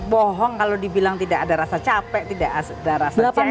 bohong kalau dibilang tidak ada rasa capek tidak ada rasa capek